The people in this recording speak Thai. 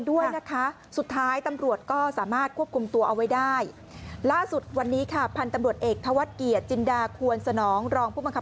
ว่าคนตกใจแล้วนะ